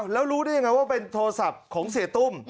แล้วรู้ได้ยังไงว่าเป็นโทรศัพท์ของเสียตุ้ม